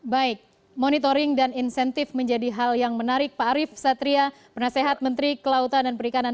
baik monitoring dan insentif menjadi hal yang menarik pak arief saya terima kasih pak arief